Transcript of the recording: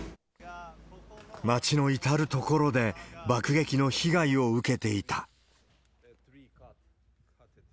町の至る所で爆撃の被害を受けていた。